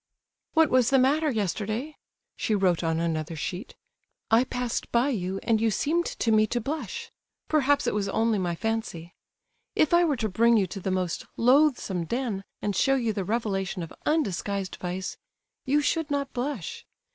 "What was the matter yesterday?" (she wrote on another sheet). "I passed by you, and you seemed to me to blush. Perhaps it was only my fancy. If I were to bring you to the most loathsome den, and show you the revelation of undisguised vice—you should not blush.